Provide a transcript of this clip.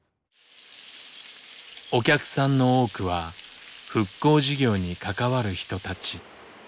お客さんの多くは復興事業に関わる人たち。